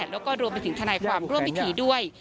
แล้วก็รวมไปถึงทนายความร่วมพิธีด้วย